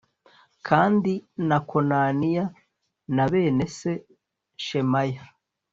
Kandi na Konaniya na bene se Shemaya